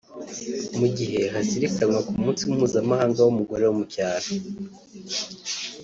Mu gihe hazirikanwaga ku munsi mpuzamahanga w’umugore wo mu cyaro